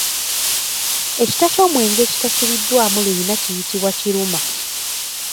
Ekita ky’omwenge ekitasibiddwamu luyina kiyitibwa Kiruma.